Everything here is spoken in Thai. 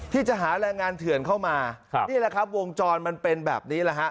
ที่จะหาแรงงานเถื่อนเข้ามาครับนี่แหละครับวงจรมันเป็นแบบนี้แหละฮะ